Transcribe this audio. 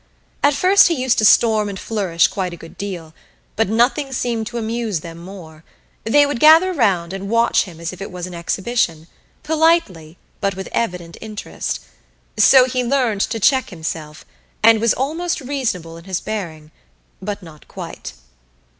At first he used to storm and flourish quite a good deal, but nothing seemed to amuse them more; they would gather around and watch him as if it was an exhibition, politely, but with evident interest. So he learned to check himself, and was almost reasonable in his bearing but not quite.